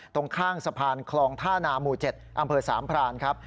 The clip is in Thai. ตรงข้างสะพานคลองท่านาหมู่๗อำเภอสามพรานครับ